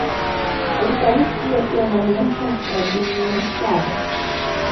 Alifariki akiwa na miaka sabini na saba